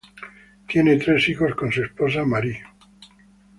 Tiene tres hijos con su esposa Marie.